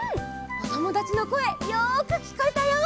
おともだちのこえよくきこえたよ。